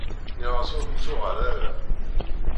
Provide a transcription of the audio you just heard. Nniɣ-as ur d-ttuɣal ara.